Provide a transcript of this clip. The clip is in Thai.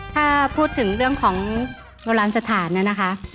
ถ้าพูดถึงเรื่องของโบราณสถานนะคะ